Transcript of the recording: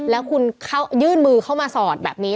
แล้วคุณยื่นมือเข้ามาสอดแบบนี้